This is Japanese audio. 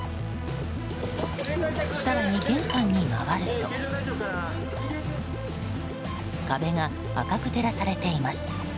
更に玄関に回ると壁が赤く照らされています。